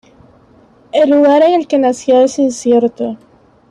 El lugar en el que nació es incierto.